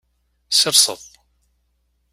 Sirseḍ.